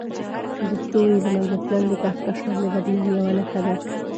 د ستوري له منځه تلل د کهکشان د بدلون یوه نښه ده.